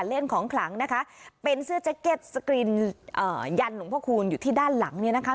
เล่นของขลังนะคะเป็นเสื้อแจ็คเก็ตสกรีนยันหลวงพระคูณอยู่ที่ด้านหลังเนี่ยนะคะ